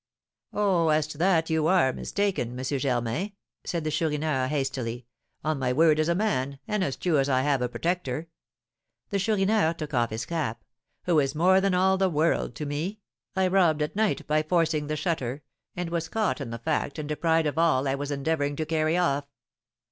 "Oh, as to that you are mistaken, M. Germain!" said the Chourineur, hastily; "on my word as a man, and as true as I have a protector," the Chourineur took off his cap, "who is more than all the world to me, I robbed at night by forcing the shutter, and was caught in the fact and deprived of all I was endeavouring to carry off."